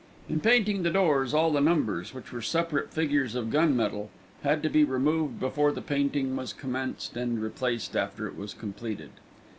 In painting the doors all the numbers, which were separate figures of gun metal, had to be removed before the painting was commenced and replaced after it was completed.